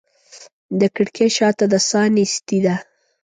د کړکۍ شاته د ساه نیستي ده